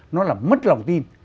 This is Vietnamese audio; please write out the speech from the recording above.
nó là mất lòng tin